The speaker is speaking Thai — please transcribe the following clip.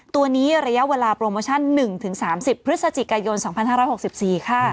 ตัวนี้ระยะเวลาโปรโมชั่น๑๓๐พฤศจิกายน๒๕๖๔ค่ะ